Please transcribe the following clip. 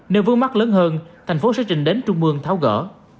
nếu vướng mắt lớn hơn thành phố sẽ trình đến trung mương tháo gỡ